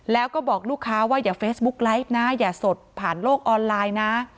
แล้วก็บอกลูกค้าว่าอย่าเฟซบุ๊กไลฟ์นะอย่าสดผ่านโลกออนไลน์นะ